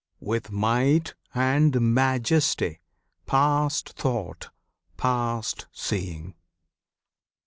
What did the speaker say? With might and majesty, past thought, past seeing!